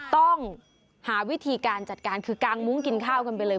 ต้องหาวิธีการจัดการคือกางมุ้งกินข้าวกันไปเลย